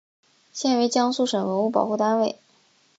现为江苏省文物保护单位。